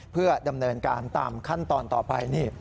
เพื่อดำเนินการตามขั้นตอนต่อไปนี่